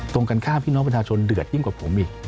ตรงกันข้ามพี่น้องประชาชนเดือดยิ่งกว่าผมอีก